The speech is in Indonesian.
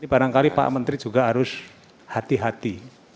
barangkali pak menteri juga harus hati hati